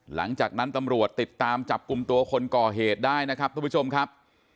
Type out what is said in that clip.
หลังจากนั้นตำรวจติดตามจับกลุ่มตัวคนก่อเหตุได้นะครับทุกผู้ชมครับ